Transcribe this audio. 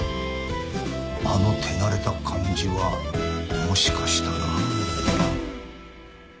あの手慣れた感じはもしかしたら。